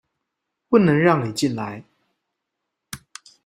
不能讓你進來